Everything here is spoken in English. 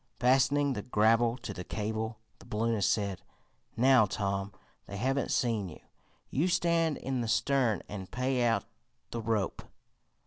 Fastening the grapple to the cable, the balloonist said: "Now, Tom, they haven't seen you. You stand in the stern and pay out the rope.